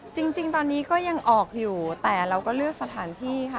จริงตอนนี้ก็ยังออกอยู่แต่เราก็เลือกสถานที่ค่ะ